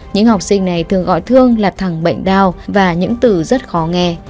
những học sinh này thường gọi thương là thẳng bệnh đau và những từ rất khó nghe